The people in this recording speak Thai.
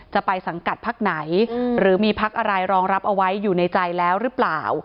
จะไปสังกัดพักไหนหรือมีพักอะไรรองรับเอาไว้อยู่ในใจแล้วหรือเปล่า